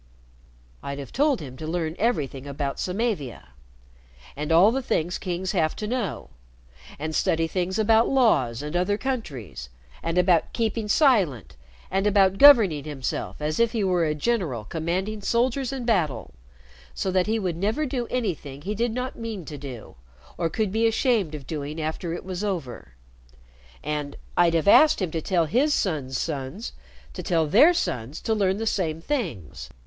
"I'd have told him to learn everything about Samavia and all the things kings have to know and study things about laws and other countries and about keeping silent and about governing himself as if he were a general commanding soldiers in battle so that he would never do anything he did not mean to do or could be ashamed of doing after it was over. And I'd have asked him to tell his son's sons to tell their sons to learn the same things.